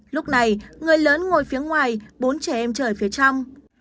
lúc này người lớn ngồi phía ngoài bốn trẻ em chở ở phía trong